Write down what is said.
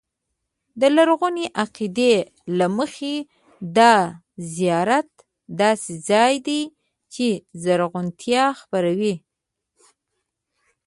د لرغوني عقیدې له مخې دا زیارت داسې ځای دی چې زرغونتیا خپروي.